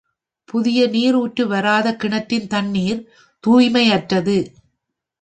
புதிய நீர் ஊற்று வராத கிணற்றின் தண்ணிர் தூய்மையற்றது.